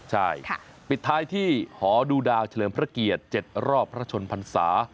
ใช่ปิดท้ายที่หอดูดาวเฉลิมพระเกียรติ๗รอบพระชนพรรษา